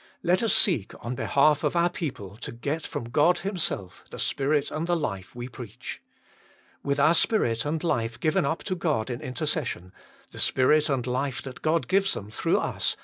Let us seek on behalf of our people to get from God Himself the Spirit and the Life we preach. With our spirit and life given up to God in intercession, the Spirit and Life that God gives them through us cannot fail to be the Life of Intercession too.